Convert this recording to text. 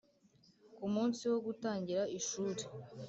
Ku munsi wo gutangira ishuri